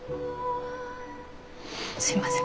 すいません